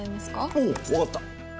おう分かった。